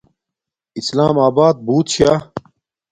اسلام آبات بوت شا